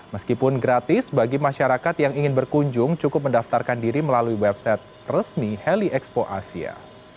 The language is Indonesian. meskipun gratis bagi masyarakat yang ingin berkunjung cukup mendaftarkan diri melalui website resmi heli expo asia